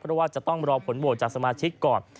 เพราะว่าจะต้องรอผลโหวตจากสมาชิกก่อน